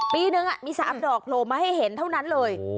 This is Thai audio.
ปีนึงมี๓ดอกโผล่มาให้เห็นเท่านั้นเลย